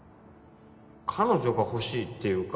彼女がほしいっていうか